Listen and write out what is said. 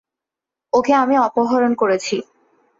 ওকে আমি অপহরণ করেছি।